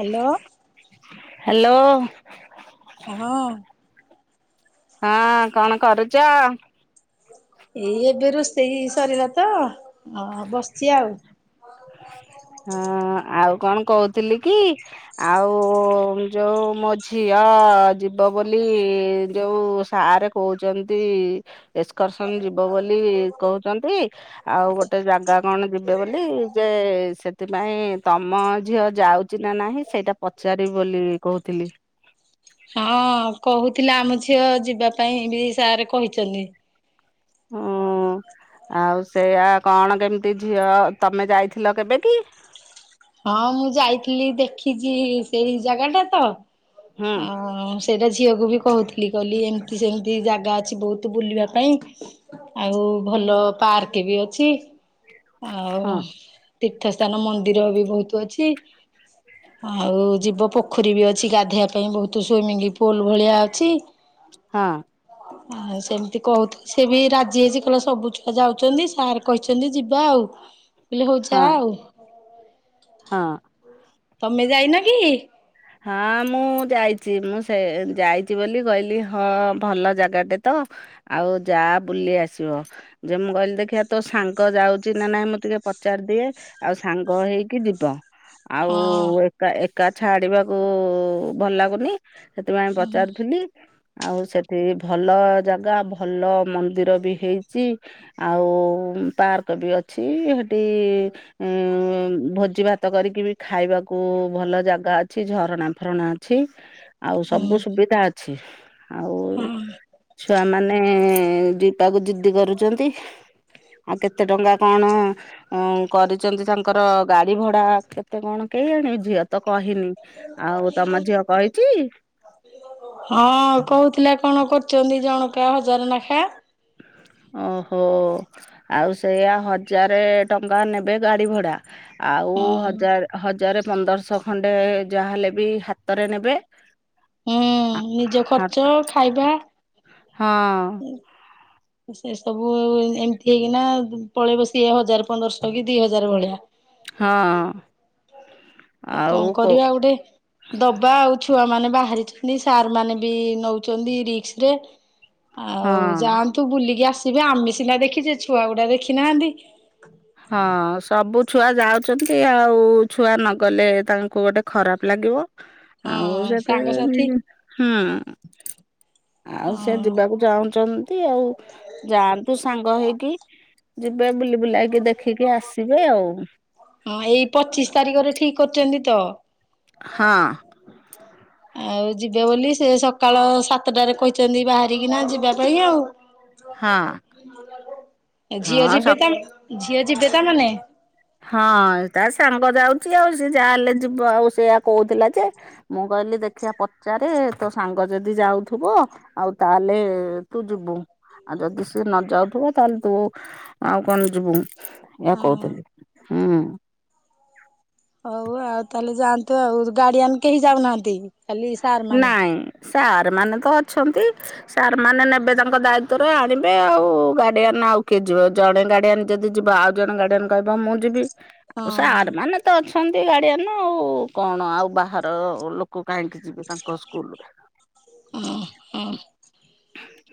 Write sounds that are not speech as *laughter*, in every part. Hello hello କାହ ହଁ କଣ କରୁଛ? ଏଇ ଏବେ ରୋଷେଇ ସରିଲା ତ ଅ ବସିଛି ଆଉ। ହଁ ଆଉ କଣ କହୁଥିଲି କି ଆଉ ଯୋଉ ମୋ ଝିଅ ଯିବ ବୋଲି ଯୋଉ ସାର କହୁଛନ୍ତି ଏକ୍ସର୍ସନ ଯିବ ବୋଲି କହୁଛନ୍ତି। ଆଉ ଗୋଟେ ଜାଗା କଣ ଯିବେ ବୋଲି। ଯେ ସେଥିପାଇଁ ତମ ଝିଅ ଯାଉଛି ନା ନାହିଁ ସେଇଟା ପଚାରିବି ବୋଲି କହୁଥିଲି। ହଁ କହୁଥିଲା ଆମ ଝିଅ ଯିବା ପାଇଁ ବି ସାର୍ କହିଛନ୍ତି। ହୁଁ ଆଉ ସେଇଆ କଣ କେମିତି ଝିଅ ତମେ ଯାଇଥିଲ କେବେ କିି? ହଁ ମୁଁ ଯାଇଥିଲି ଦେଖିଛି ସେଇ ଜାଗା ଟା ତ ହୁଁ ଆଁ। ସେଇଟା ଝିଅକୁ ବି କହୁଥିଲି କହିଲି ଏମତି ସେମତି ଜାଗା ଅଛି ବହୁତୁ ବୁଲିବା ପାଇଁ। ଆଉ ଭଲ ପାର୍କେ ବି ଅଛି। ଆଉ ହଁ ତୀର୍ଥସ୍ଥାନ ମନ୍ଦିର ବି ବହୁତୁ ଅଛି। ହ ଆଉ ଯିବ ପୋଖରୀ ବି ଅଛି ଗାଧେଇଆ ପାଇଁ ବହୁତୁ ସୁଇମିଙ୍ଗ ପୁଲ୍ ଭଳିଆ ଅଛି। ହଁ। ଆ ସେମିତି କହୁଥା ସେ ବି ରାଜି ହେଇଚି କହିଲା ସବୁ ଛୁଆ ଯାଉଛନ୍ତି ସାର୍ କହିଛନ୍ତି ଯିବା ଆଉ। *inaudible* ହିଲି ହଉ ଯା ଆଉ। ହଁ। ତମେ ଯାଇନ କି? ହଁ ମୁଁ ଯାଇଚି ମୁଁ ସେ ଯାଇଚି ବୋଲି କହିଲି ହଁ ଭଲ ଜାଗାଟେ ତ। ଆଉ ଯା ବୁଲି ଆସିବ। ଯେ ମୁଁ କହିଲି ଦେଖିବା ତୋ ସାଙ୍ଗ ଯାଉଚି ନା ନାଇଁ ମୁଁ ଟିକେ ପଚାରି ଦିଏ। ଆଉ ସାଙ୍ଗ ହେଇକି ଯିବା। ଆଉ ହଁ ଏକା ଏକା ଛାଡିବାକୁ ଭଲ ଲାଗୁନି। ସେଥିପାଇଁ ହୁଁ ପଚାରୁଥିଲି। ଆଉ ସେଠି ଭଲ ଜାଗା ଭଲ ମନ୍ଦିର ବି ହେଇଚି। ଆଉ ଉମ୍ ପାର୍କ ବି ଅଛି। ହେଠି ଭୋ ଭୋଜି ଭାତ କରିକି ବି ଖାଇବାକୁ ଭଲ ଜାଗା ଅଛି। ଝରଣା ଫରଣା ଅଛି। ଆଉ ହୁଁ ସବୁ ସୁବିଧା ଅଛି ଆଉ ହଁ। ଛୁଆ ମାନେ ଯୋଉଟାକୁୁ ଜିଦ୍ଦି କରୁଚନ୍ତି। ଆଉ କେତେ ଟଙ୍କା କଣ? ହଁ କରିଚନ୍ତି ତାଙ୍କର ଗାଡି ଭଡା କେତେ କଣ କେଆଣି ଝିଅ ତ କହିନି। ଆଉ ତମ ଝିଅ କହିଚି? ହଁ ଆଉ କହୁଥିଲା କଣ କରୁଚନ୍ତି ଜଣକା ହଜର ନଖା। ଓହୋ ଆଉ ସେଆ ହଜାରେ ଟଙ୍କା ନେବେ ଗାଡି ଭଡ଼ା। ଆଉ ହଁ ହଜାର ହଜାରେ ପନ୍ଦରଶହ ଖଣ୍ଡେ ଯାହା ହେଲେ ବି ହାତରେ ନେବେ। ହୁଁ ନିଜ ହା ଖର୍ଚ୍ଚ ଖାଇବା ହଁ ସେ ସବୁ ଏମତି ହେଇକିନା ଆଉ ପଳେଇବ ସିଏ ହଜାର ପନ୍ଦରଶହ କି ଦି ହଜାର ଭଳିଆ। ହଁ। ଆଉ କଣ କୋଉ କରିବା ଆଉ ଗୋଟେ ଦବା ଆଉ। ଛୁଆ ମାନେ ବାହାରିଛନ୍ତି ସାର୍ ମାନେ ବି ନଉଚନ୍ତି ରିକ୍ସ୍ ରେ। ହଁ। ଆଉ ଯାଆନ୍ତୁ ବୁଲିକି ଆସିବେ। ଆମେ ସିନା ଦେଖିଚୁ ଛୁଆ ଗୁଡା ଦେଖିନାହାନ୍ତି। ହଁ ସବୁ ଛୁଆ ଯାଉଛନ୍ତି ଆଉ ଛୁଆ ନଗଲେ ତାଙ୍କୁ ଗୋଟେ ଖରାପ ଲାଗିବ। ଆଉ ହଁ ସେତ ସାଙ୍ଗସାଥି *unintelligible* ହୁଁ। ଆଉ ସେ ହଁ ଯିବାକୁ ଚାହୁଁଚନ୍ତି ଆଉ। ଯାଆନ୍ତୁ ସାଙ୍ଗ ହେଇକି ଯିବେ ବୁଲି ବୁଲାଇକ୍ ଦେଖିକି ଆସିବେ ଆଉ। ହଁ ଏଇ ପଚିଶ ତାରିଖରେ ଠିକ୍ କରିଚନ୍ତି ତ। ହଁ। ଆଉ ଯିବେ ବୋଲି ସେ ସକାଳ ସାତଟାରେ କହିଚନ୍ତି ବାହାରିକିନା ଯିବା ପାଇଁ ଆଉ। ହଁ। ଝିଅ ହଁ ସବୁ ଯିବେ ତାନେ ଝିଅ ଯିବେ ତାଲେ ନାଇଁ? ହଁ ତାର ସାଙ୍ଗ ଯାଉଛି ଆଉ ସ ଯାହାହେଲେ ଯିବ ଆଉ ସେଆ କହୁଥିଲା ଯେ ମୁଁ କହିଲି ଦେଖିବା ପଚାରେ ତୋ ସାଙ୍ଗ ଯଦି ଯାଉଥିବ ଆଉ ତାହେଲେ ତୁ ଯିବୁ ଆଉ ଯଦି ସିଏ ନ ଯାଉଥିବ ତାହେଲେ ତୁ ଆଉ କଣ ଯିବୁ ୟ ହଁ। କହୁଥିଲି ହୁଁ। ହଉ ଆଉ ତାହେଲେ ଯାଆନ୍ତୁ ଆଉ ଗାଡିଆନ କେହି ଯାଉନାହାନ୍ତି। ଖାଲି ସାର୍ ମାନେ। ନାଇଁ ସାର୍ ମାନେ ତ ଅଛନ୍ତି। ସାର୍ ମାନେ ନେବେ ତାଙ୍କ ଦାୟିତ୍ବରେ ଆଣିବେ ଆଉ ଗାଡିଆନ ଆଉ କିଏ ଯିବ ଜଣେ ଗାଡିଆାନ ଯଦି ଯିବା ଆଉ ଜଣ ଗାର୍ଡିଆନ କହିବ ମୁଁ ଯିବି। ଆଉ ସାର୍ ହଁ ମାନେ ତ ଅଛନ୍ତି ଗାଡିଆନ ଆଉ କଣ ଆଉ ବାହାର ଲୋକ କାହିଁକି? ଯିବେ ତାଙ୍କ ସ୍କୁଲରେ ହଁ ହଁ।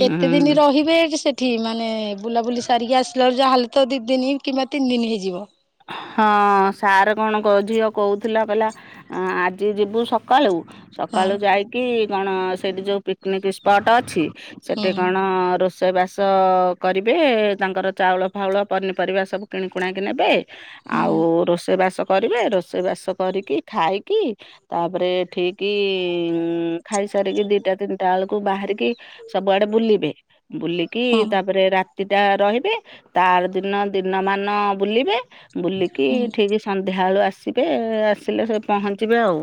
କେତେ ହୁଁ ଦିନ ରହିବେ ଏଠି ସେ ଏଠି ମାନେ ବୁଲାବୁଲି ସାରିକି ଆସିଲାରୁ ଯାହା ହେଲେ ତ ଦିଇ ଦିନ କିମ୍ବା ତିନି ଦିନ ହେଇଯିବ। ହଁ ସାର୍ କଣ କଉ ଝିଅ କହୁଥିଲା କହିଲା ଆଜି ଯିବୁ ସକାଳୁ ସକାଳୁ ହଁ ଯାଇକି କଣ ସେଠି ଯୋଉ ପିକନିକ୍ ସ୍ପଟ ଅଛି। ହୁଁ ସେଠି କଣ ରୋ ସେଇବାସ କରିବେ ତାଙ୍କର ଚାଉଳ ଫାଉଳ ପନିପରିବା ସବୁ କିନିକୁଣିକି କି ନେବେ। ହୁଁ ଆଉ ରୋଷେଇ ବାସ କରିବେ ରୋଷେଇବାସ କରିକି ଖାଇକି ତାପରେ ଠିକି ଉମ୍ ଖାଇସାରିକି ଦିଟା ତିନିଟା ବେଳକୁ ବାହାରିକି ସବୁଆଡେ ବୁଲିବେ ବୁଲିକି ହୁଁ ତାପରେ ରା ଟା ରହିବେ ତାର ଦିନ ଦିନ ମାନ ବୁଲିବେ ବୁଲିକି ହୁଁ ଠିକ ସନ୍ଧ୍ୟାବେଳୁ ଆସିବେ ଆସିଲେ ସେ ପହଞ୍ଚିବେ ଆଉ।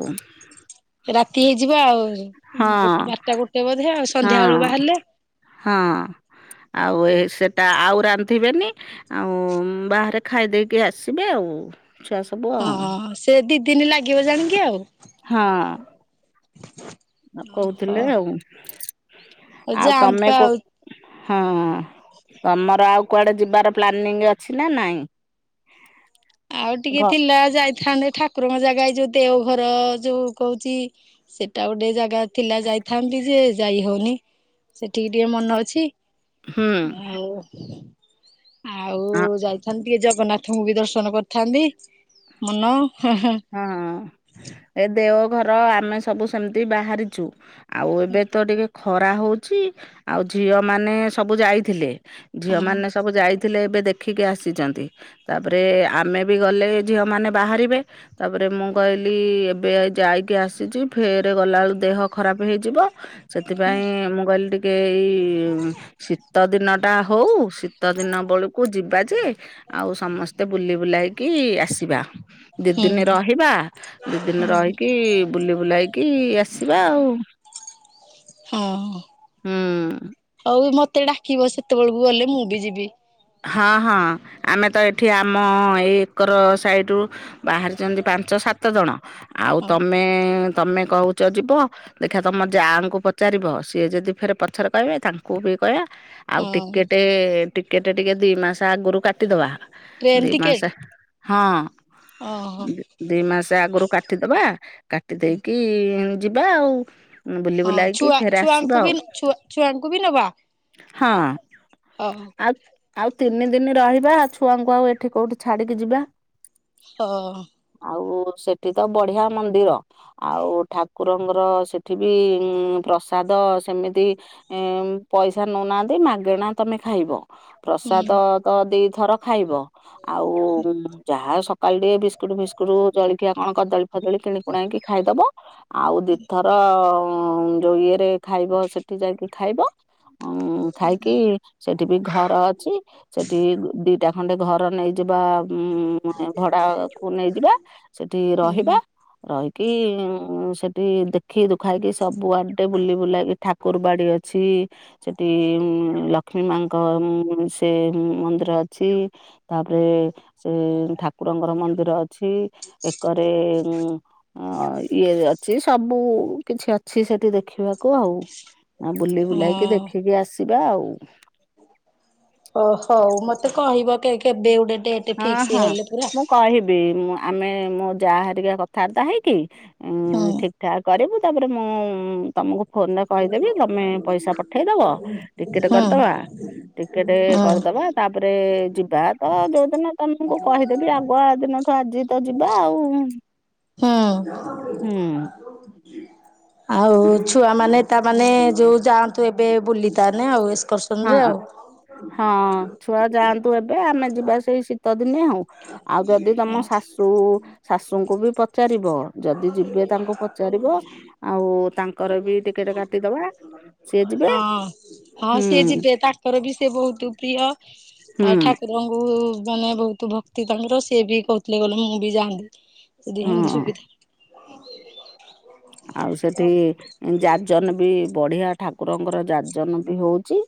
ରାତି ହେଇଯିବ ଆଉ ହଁ ଗୋଟେ ବାରଟା ଗୋଟେ ବୋଧେ ଆଉ ହଁ ସନ୍ଧ୍ୟା ବେଳୁ ବାହାରିଲେ। ହଁ ଆଉ ଏ ସେଟା ଆଉ ରାନ୍ଧିବେନି। ଆଉ ବାହାରେ ଖାଇ ଦେଇକି ଆସିବେ ଆଉ ଛୁଆ। ସବୁ ଆଉ। ହଁ ସେ ଦି ଦିନ ଲାଗିବ ଜାଣିକି ଆଉ। ହଁ କହୁଥିଲେ ହଁ ଆଉ ହଉ ଆଉ ତମେ ଯାଆନ୍ତୁ କ ଆଉ ହଁ ତମର ଆଉ କୁଆଡେ ଯିବାର ପ୍ଲାନିଂ ଅଛି ନା ନାଇଁ? ଆଉ ଘ ଟିକେ ଥିଲା ଯାଇଥାନ୍ତେ ଠାକୁରଙ୍କ ଜାଗା ଯୋଉ ଦେଓଘର ଯୋଉ କହୁଛି। ସେଟା ଗୋଟେ ଜାଗା ଥିଲା ଯାଇଥାନ୍ତି ଯେ ଯାଇ ହଉନି ସେଠିକି ଟିକେ ମନ ଅଛି। ହୁଁ ହାଉ ହଁ। ଆଉ ଯାଇଥାନ୍ତି ଟିକେ ଜଗନ୍ନାଥଙ୍କୁ ବି ଦର୍ଶନ କରିଥାନ୍ତି ମନ ହୁ ହୁ। ହଁ ଏ ଦେଓଘର ଆମେ ସବୁ ସେମିତି ବାହାରିଛୁ। ଆଉ ଏବେ ତ ଟିକେ ଖରା ହଉଛି ଆଉ ଝିଅ ମାନେ ସବୁ ଯାଇଥିଲେ। ହଁ ଝିଅମାନେ ସବୁ ଯାଇଥିଲେ ଏବେ ଦେଖିକି ଆସିଛନ୍ତି। ତାପରେ ଆମେ ବି ଗଲେ ଝିଅ ମାନେ ବାହାରିବେ ତାପରେ ମୁଁ କହିଲି ଏବେ ଯାଇକି ଆସିଛି ଫେର ଗଲାବେଳୁ ଦେହ ଖରାପ ହେଇଯିବ। ସେଥିପାଇଁ ମୁଁ କହିଲି ଟିକେ ଏଇ ଶି ଶୀତ ଦିନ ଟା ହଉ ଶୀତ ଦିନ ବଳୁ କୁ ଯିବା ଯେ ଆଉ ସମସ୍ତେ ବୁଲି ବୁଲାଇକି ଆସିବା। ଦିନ ହଁ ରହିବା ଦିଦିନ ରହିକି ବୁଲି ବୁଲାଇକି ଆସିବା ଆଉ। ହଁ ହୁଁ ହଉ ମତେ ଡାକିବ ସେତେବେଳକୁ ଗଲେ ମୁଁ ବି ଯିବି। ହଁ ହଁ ଆମେ ତ ଏଠି ଆମ ଏଇ ଏକର ସାଇଡ଼ରୁ ବାହାରିଛନ୍ତି ପାଞ୍ଚ ସାତ ଜଣ ଆଉ ହଉ ତମେ ତମେ କହୁଛ ଯିବ। ଦେଖିବା ତମ ଯା ଙ୍କୁ ପଚାରିବ ସିଏ ଯଦି ଫେରେ ପଛରେ କହିବେ ତାଙ୍କୁ ବି କହିବା। ଆଉ ହଁ ଟିକେଟେ ଟିକେଟେ ଟିକେ ଦି ମାସ ଆଗରୁ କାଟିଦବା। ଟ୍ରେନ ଦି ମାସେ ଟିକେଟ ହଁ ଓହୋ ଦି ଦି ମାସେ ଆଗରୁ କାଟିଦବା କାଟି ଦେଇକି ଯିବା ଆଉ। ବୁଲି ହଁ ବୁଲାଇକି ଛୁଆ, ଫେରେ ଆସିବା ଛୁଆଙ୍କୁ ଆଉ ବି ଛୁଆ ଛୁଆଙ୍କୁ ବି ନବା? ହଁ। ଓହୋଃ। ଆଉ ଆଉ ତିନି ଦିନି ରହିବା ଛୁଆଙ୍କୁ ଆଉ ଏଠି କୋଉଠି ଛାଡିକି ଯିବା। ହଅ-ଅ। ଆଉ ସେଠି ତ ବଢିଆ ମନ୍ଦିର। ଆଉ ଠାକୁରଙ୍କର ସେଠି ବି ଉଁ ପ୍ରସାଦ ସେମିତି ଏଁ ପଇସା ନଉ ନାହାନ୍ତି ମାଗେଣା ତମେ ଖାଇବ ହୁଁ ପ୍ରସାଦ ତ ଦିଥର ଖାଇବ। ଆଉ ଯାହା ସକାଳେ ଟିକେ ବିସ୍କୁଟ ଫିସ୍କୁଟ ଜଳଖିଆ କଣ କଦଳୀ ଫଦଳୀ କିଣି ପୁଣାଇକି ଖାଇଦବା ଆଉ ଦିଥର-ଅ-ଅ-ଅ ଯୋଉ ଇଏ ଖାଇବ ସେଠି ଯାଇକି ଖାଇବ, ଉଁ ଖାଇକି ସେଠି ବି ଘର ଅଛି ସେଠି ଦିଟା ଖଣ୍ଡେ ଘର ନେଇଯିବା ଉଁ-ଉଁ-ଉଁ ଭଡାକୁ ନେଇଯିବା ସେଠି ହୁଁ ରହିବା। ରହିକି ସେଠି ଦେଖି ଦୁଖାକି ସବୁ ଆଡେ ବୁଲିବୁଲାକି ଠାକୁରବାଡ଼ି ଅଛି ସେଠି-ଇ-ଇ ଉଁ ଲକ୍ଷ୍ମୀ ମାଆଁ ଙ୍କ ସେ ମନ୍ଦିର ଅଛି। ତାପରେ ସେ ଠାକୁରଙ୍କର ମନ୍ଦିର ଅଛି ଏକରେ ଉଁ ଅଁ- ଅଁ ଇଏ ଜାନ୍ ଅଛି ସବୁ କିଛି ଅଛି ସେଠି ଦେଖିବାକୁ ଆଉ, ଆଉ ହଁ। ବୁଲିବୁଲାକି ଦେଖିକି ଆସ୍ ଯିବା ଆଉ। ଓ ହଉ, ମତେ କହିବ କେ କେ କେବେ ଗୋଟେ ଡେଟ୍। ହଁ ହଁ, ମୁଁ କହିବି ମୁଁ ଆମେ ମୋ ଯାଆ ହେରିକା କଥାବାର୍ତ୍ତା ହେଇକି ହୁଁ ଠିକ୍ ଠାକ୍ କରିବୁ ତାପରେ ମୁଁ ତମକୁ ଫୋନରେ କହିଦେବି ତମେ ପଇସା ପଠେଇଦବ ଟିକେଟ୍ ହୁଁ କରିଦବା। ଟିକେଟ ହୁଁ ହୁଁ। କରିଦବା ତାପରେ ଯିବା। ତ ଯୋଉଦିନ ତମକୁ କହିଦେବି ଆଗୁଆ ଦିନଠୁ ଆଜି ତ ଯିବା ଆଉ। ହୁଁ। ହୁଁ‌। ଆଉ ଛୁଆମାନେ ତା ମାନେ ଯୋଉ ଯାଆନ୍ତୁ ଏବେ ବୁଲି ତାନେ ଏକ୍ସକରସ ହଁ, ହଁ ଛୁଆ ଯାଆନ୍ତୁ ଏବେ ଆମେ ଯିବା ସେଇ ଶୀତଦିନେ ଆଉ। ଆଉ ଯଦି ତମ ଶାଶୁ, ଶାଶୁଙ୍କୁ ବି ପଚାରିବ। ଯଦି ଯିବେ ତାଙ୍କୁ ପଚାରିବ ଆଉ ତାଙ୍କର ବି ଟିକେଟ କାଟିଦବା। ସିଏ ଯିବେ ହଁ, ହଁ ହୁଁ ସିଏ ଯିବେ ତାଙ୍କର ବି ସେ ବହୁତ ପ୍ରିୟ, ହୁଁ ଠାକୁର୍। ରଙ୍କୁ ମାନେ ବହୁତ ଭକ୍ତି ତାଙ୍କର, ସିଏ ବି କହୁଥିଲେ ଗଲେ ମୁଁ ବି ଯାଆନ୍ତି। ଯଦି ହିନ୍ଦୀ ହଁ। ସୁବିଧି ଆଉ ସେଠି ଯାଜନ ବି ବଢିଆ। ଠାକୁରଙ୍କର ଯାଜନ ବି ହଉଛି।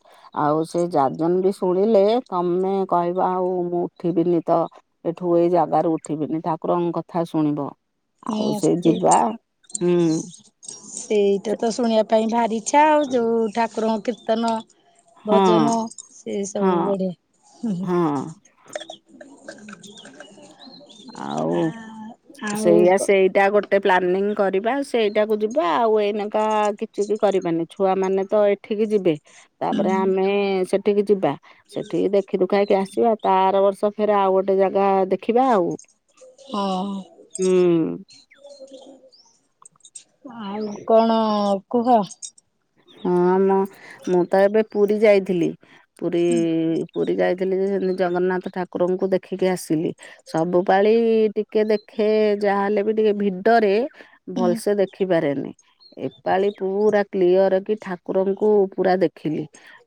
ଆଉ ସେ ଯାଜନ ବି ଶୁଣିଲେ ତମେ କହିବ ଆଉ ମୁଁ ଉଠିବିନି ତ। ଏଠୁ ଏଇ ଜାଗାରୁ ଉଠିବିନି ଠାକୁରଙ୍କ କଥା ଶୁଣିବ ଆଉ ସେ ଯିବା। ହୁଁ ସେଇଟା ତ ଶୁଣିବା ପାଇଁ ଭାରି ଇଚ୍ଛା, ଆଉ ଯୋଉ ଠାକୁରଙ୍କ କୀର୍ତ୍ତନ ହଁ। ଭଜନ ସେ ହଁ ସବୁ ବଢିଆ। ହୁଁ ହୁଁ। ହଁ ଆଉ ଆଉ ସେଇଆ କ ସେଇଟା ଗୋଟେ ପ୍ଲାନିଂ କରିବା। ସେଇଟାକୁ ଯିବା ଆଉ ଏଇନେକା କିଛି ବି କରିବାନି ଛୁଆମାନେ ତ ଏଠିକି ଯିବେ। ତାପରେ ଆମେ ସେଠିକି ଯିବା ସେଠିକି ଦେଖ୍ ଦେଖିଦୁଖାକି ଆସିବା ତା ଆର ବର୍ଷ ଫେରେ ଆଉ ଗୋଟେ ଜାଗା ଦେଖିବା ଆଉ। ହଁ। ହୁଁ। ଆଉ କଣ କୁହ? ହଁ ମଁ, ମୁଁ ତ ଏବେ ପୁରୀ ଯାଇଥିଲି ପୁରୀ ପୁରୀ ଯାଇଥିଲି ଯେ ସେମିତି ଜଗନ୍ନାଥ ଠାକୁରଙ୍କୁ ଦେଖିକି ଆସିଲି। ସବୁ ପାଳି ଟିକେ ଦେଖେ ଯାହାହେଲେ ବି ଟିକେ ଭିଡରେ। ହୁଁ ଭଲସେ ଦେଖିପାରେନି ଏପାଳି ପୁରା କ୍ଲିୟର କି ଠାକୁରଙ୍କୁ ପୁରା ଦେଖିଲି।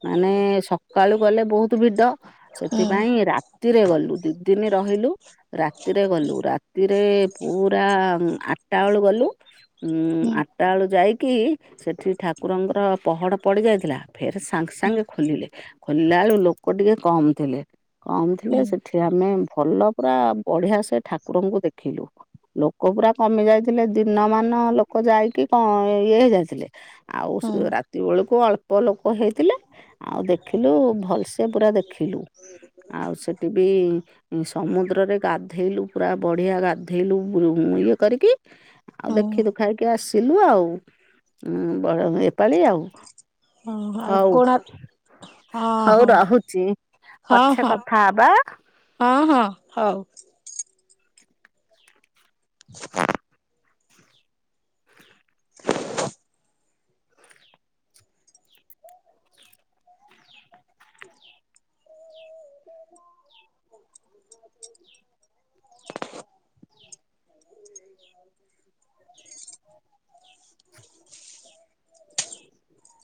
ମାନେ ସକାଳୁ ଗଲେ ବହୁତ ଭିଡ, ହୁଁ ସେଥିପାଇଁ ରା ତିରେ ଗଲୁ ଦି ଦିନ ରହିଲୁ। ରାତିରେ ଗଲୁ, ରାତିରେ ପୁରା ଆଠଟା ବେଳୁ ଗଲୁ। ଉଁ ଉଁ, ହୁଁ ଆଠଟା ବେଳୁ ଯାଇକି ସେଠି ଠାକୁରଙ୍କର ପହଡ ପଡି ଯାଇଥିଲା ଫେରେ ସାଙ୍ଗେ ହୁଁ ସାଙ୍ଗେ ଖୋଲିଲେ। ଖୋଲିଲା ବେଳୁ ଲୋକ ଟିକେ କମ୍ ଥିଲେ, କମ୍ ଥିଲେ ହୁଁ ସେଠ୍ ଏଠି ଆମେ ଭଲ ପୁରା ବଢିଆସେ ଠାକୁରଙ୍କୁ ଦେଖିଲୁ। ଲୋକ ପୁରା କମି ଯାଇଥିଲେ ଦିନ ମାନ ଲୋକ ଯାଇକି କଣ ଇଏ ହେଇଯାଇଥିଲେ। ଆଉ ହୁଁ ସେ ରାତି ବେଳକୁ ଅଳ୍ପ ଲୋକ ହେଇଥିଲେ। ଆଉ ଦେଖିଲୁ ଭଲସେ ପୁରା ଦେଖିଲୁ। ଆଉ ସେଠି ବି ସମୁଦ୍ରରେ ଗାଧ୍ ଧେଇଲୁ ପୁରା ବଢିଆ ଗାଧେଇଲୁ ଇଏ କରିକି, ଆଉ ହୁଁ ଦେଖିଦୁଖାକି କି ଆସିଲୁ ଆଉ, ଉଁ ବଳ ଏପାଳି ଆଉ। ଓହୋଃ ଆଉ ହଉ କୋଣ୍ ହଉ ରହୁଛି, ପଛେ କଥା ହବା। ହଁ-ହଁ ହଉ। ହଁ *unintelligible* *unintelligible* *unintelligible* *inaudible*